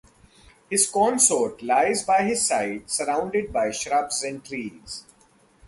His consort lies by his side surrounded by shrubs and trees.